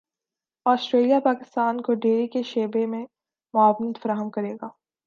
Australia Pakistan کو dairy کے شعبے میں معاونت فراہم کرے گا